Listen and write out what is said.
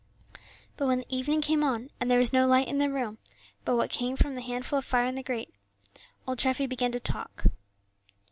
But when the evening came on, and there was no light in the room but what came from the handful of fire in the grate, old Treffy began to talk.